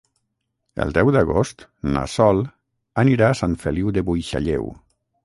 El deu d'agost na Sol anirà a Sant Feliu de Buixalleu.